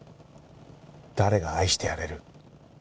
誰が愛してやれる？